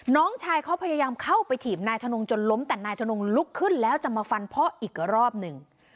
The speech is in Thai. น้องชายเขาพยายามเข้าไปถีบนายทนงจนล้มแต่นายทนงลุกขึ้นแล้วจะมาฟันพ่ออีกรอบหนึ่ง